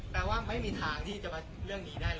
ว่าไม่มีทางที่จะมาเรื่องนี้ได้เลย